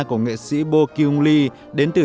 của nghệ sĩ bo kyung lee đến từ